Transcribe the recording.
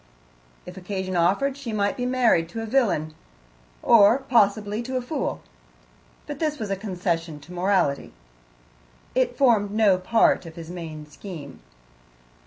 If occasion offered she might be married to a villain or, possibly, to a fool. But this was a concession to morality, it formed no part of his main scheme.